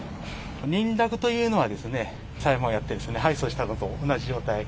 認諾というのは、裁判をやって敗訴したのと同じ状態。